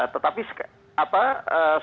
tetapi sekali lagi